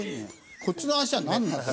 こっちの足はなんなの？